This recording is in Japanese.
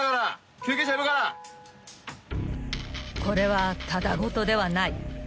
［これはただごとではない］